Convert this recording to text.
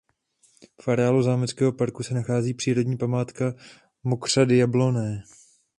V areálu zámeckého parku se nachází přírodní památka Mokřady Jablonné.